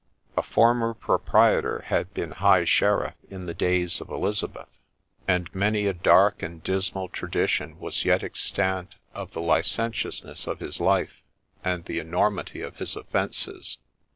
A former proprietor had been High sheriff in the days of Elizabeth, and many a dark and dismal OF TAPPINGTON 3 tradition was yet extant of the licentiousness of his life, and the enormity of his offences.